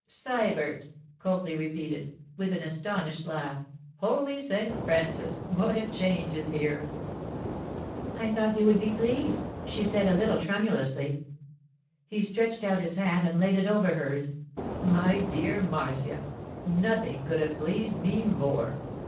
'Sybert!' Copley repeated, with an astonished laugh. 'Holy St. Francis! What a change is here!' 'I thought you would be pleased,' she said a little tremulously. He stretched out his hand and laid it over hers. 'My dear Marcia, nothing could have pleased me more.